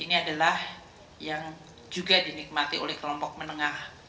ini adalah yang juga dinikmati oleh kelompok menengah